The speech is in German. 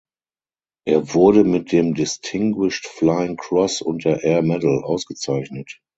Er wurde mit dem Distinguished Flying Cross und der Air Medal ausgezeichnet.